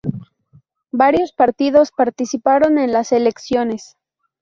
Varios partidos participaron en las elecciones.